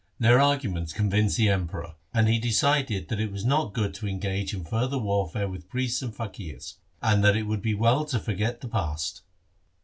Their arguments convinced the Emperor, and he decided that it was not good to engage in further warfare with priests and faqirs, and that it would be well to forget the past.